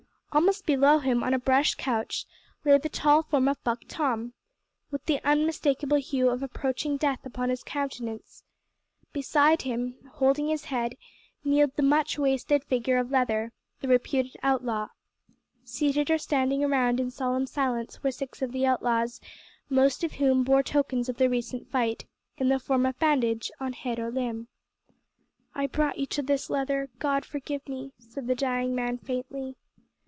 Almost below him on a brush couch, lay the tall form of Buck Tom, with the unmistakable hue of approaching death upon his countenance. Beside him, holding his head, kneeled the much wasted figure of Leather the reputed outlaw. Seated or standing around in solemn silence were six of the outlaws, most of whom bore tokens of the recent fight, in the form of bandage on head or limb. "I brought you to this, Leather; God forgive me," said the dying man faintly.